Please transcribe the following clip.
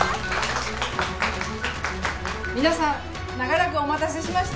皆さん長らくお待たせしました。